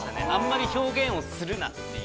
あまり表現をするなという。